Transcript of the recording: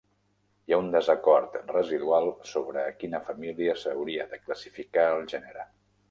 Hi ha un desacord residual sobre a quina família s'hauria de classificar el gènere.